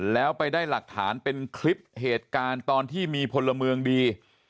แล้วไปได้หลักฐานเป็นคลิปเหตุการณ์ตอนที่มีพลเมืองดี